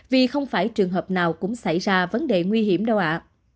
vì không phải trường hợp nào cũng xảy ra vấn đề nguy hiểm đâu ạ